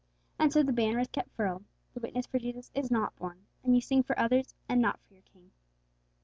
And so the banner is kept furled, the witness for Jesus is not borne, and you sing for others and not for your King.